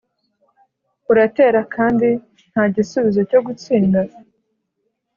uratera kandi ntagisubizo cyogutsinda?